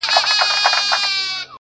ستا د ژبې کيفيت او معرفت دی”